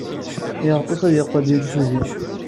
Yeɣtes ad yeqqel d imsujji.